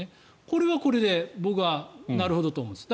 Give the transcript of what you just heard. これはこれで僕はなるほどと思います。